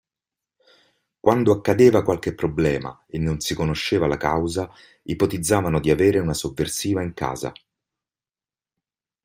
Quando accadeva qualche problema e non si conosceva la causa, ipotizzavano di avere una sovversiva in casa.